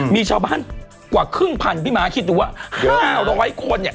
มีชาวบ้านกว่าครึ่งพันพี่ม้าคิดดูว่า๕๐๐คนเนี่ย